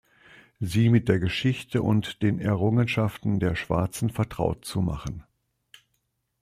Sie mit der Geschichte und den Errungenschaften der Schwarzen vertraut zu machen.